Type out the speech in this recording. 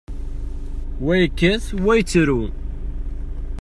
Wa yekkat, wa yettru.